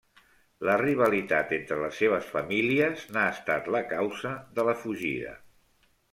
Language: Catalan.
La rivalitat entre les seves famílies n'ha estat la causa de la fugida.